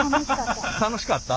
楽しかった。